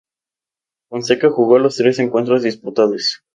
Fonseca jugó los tres encuentros disputados.